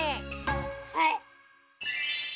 はい。